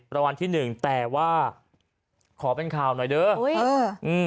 รางวัลที่หนึ่งแต่ว่าขอเป็นข่าวหน่อยเด้ออุ้ยเอออืม